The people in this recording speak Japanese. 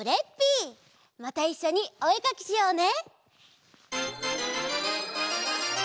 またいっしょにおえかきしようね！